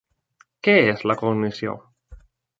Què és la cognició?